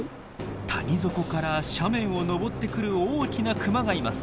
谷底から斜面を登ってくる大きなクマがいます。